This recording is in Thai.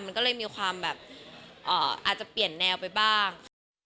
มันก็เลยมีความแบบอาจจะเปลี่ยนแนวไปบ้างค่ะ